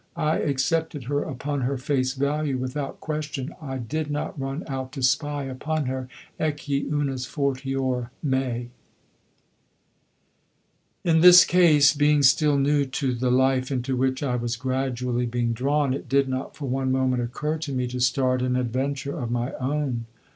I accepted her upon her face value without question I did not run out to spy upon her. Ecce unus fortior me! In this case, being still new to the life into which I was gradually being drawn, it did not for one moment occur to me to start an adventure of my own.